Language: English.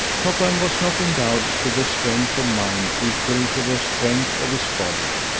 Topham was not endowed with a strength of mind equal to the strength of his body.